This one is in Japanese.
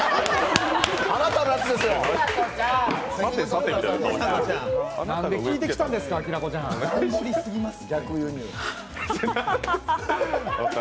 あなたのやつですよ。